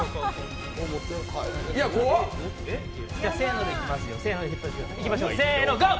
せーのでいきますよ、ゴー！